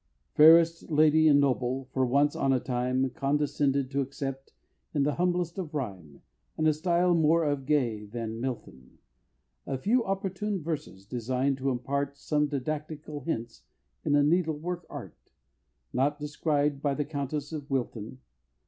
Fairest Lady and Noble, for once on a time, Condescend to accept, in the humblest of rhyme, And a style more of Gay than of Milton, A few opportune verses design'd to impart Some didactical hints in a Needlework Art, Not described by the Countess of Wilton.